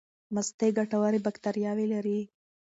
مستې ګټورې باکتریاوې لري.